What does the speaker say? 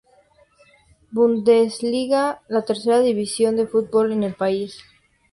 Bundesliga, la tercera división de fútbol en el país.